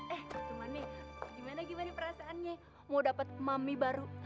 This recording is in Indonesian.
eh rumane gimana perasaannya mau dapat mami baru